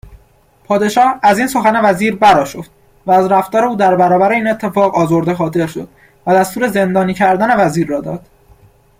پادشاه از این سخن وزیر برآشفت و از رفتار او در برابر این اتفاق آزرده خاطر شد و دستور زندانی کردن وزیر را داد